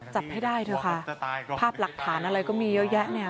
จับให้ได้เถอะค่ะภาพหลักฐานอะไรก็มีเยอะแยะเนี่ย